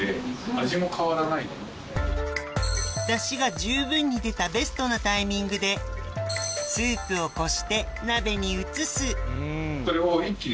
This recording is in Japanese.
出汁が十分に出たベストなタイミングでスープをこして鍋に移すそれを一気に。